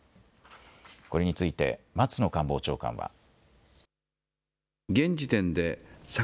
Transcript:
これについて、松野官房長官は。